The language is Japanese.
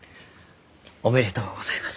おめでとうございます。